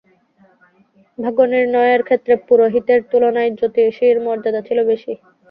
ভাগ্য নির্ণয়ের ক্ষেত্রে পুরোহিতের তুলনায় জ্যোতিষীর মর্যাদা ছিল বেশি।